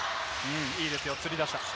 いいですよ、つり出した。